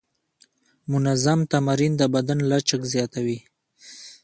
منظم تمرین د بدن لچک زیاتوي.